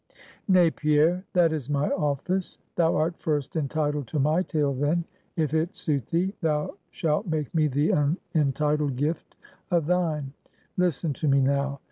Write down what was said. "Nay, Pierre, that is my office; thou art first entitled to my tale, then, if it suit thee, thou shalt make me the unentitled gift of thine. Listen to me, now.